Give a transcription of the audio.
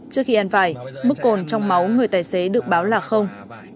trước khi ăn vải mức cồn trong máu người tài xế được báo là không